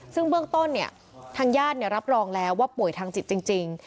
ซึ่งเบื้องต้นทางญาติรับรองแล้วว่าป่วยทางจิตจริง